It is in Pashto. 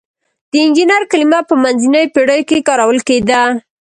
د انجینر کلمه په منځنیو پیړیو کې کارول کیده.